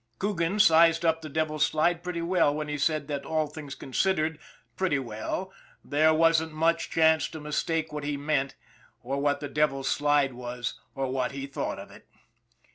Coogan sized up the Devil's Slide pretty well when he said that, all things considered, pretty well there wasn't much chance to mistake what he meant, or what the Devil's Slide was, or what he thought of it.